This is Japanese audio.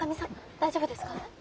大丈夫ですか！